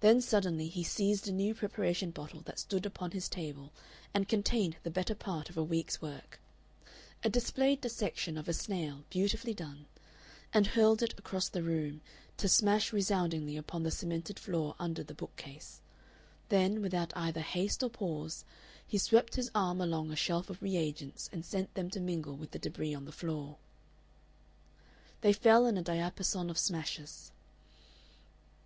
Then suddenly he seized a new preparation bottle that stood upon his table and contained the better part of a week's work a displayed dissection of a snail, beautifully done and hurled it across the room, to smash resoundingly upon the cemented floor under the bookcase; then, without either haste or pause, he swept his arm along a shelf of re agents and sent them to mingle with the debris on the floor. They fell in a diapason of smashes.